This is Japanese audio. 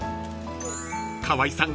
［川合さん